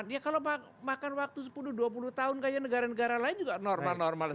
dia kalau makan waktu sepuluh dua puluh tahun kayaknya negara negara lain juga normal normal aja